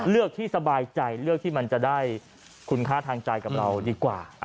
เลือกที่สบายใจเลือกที่มันจะได้คุณค่าทางใจกับเราดีกว่า